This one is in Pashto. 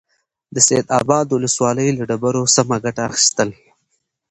د سيدآباد ولسوالۍ له ډبرو سمه گټه اخيستل: